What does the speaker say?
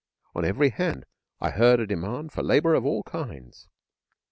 On every hand I heard a demand for labour of all kinds.